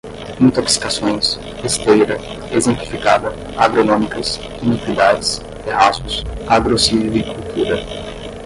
intoxicações, esteira, exemplificada, agronômicas, iniquidades, terraços, agrossilvicultura